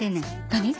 何？